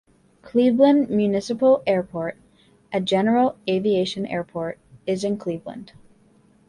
Cleveland Municipal Airport, a general aviation airport, is in Cleveland.